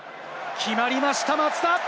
決まりました、松田！